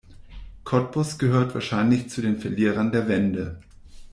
Cottbus gehört wahrscheinlich zu den Verlierern der Wende.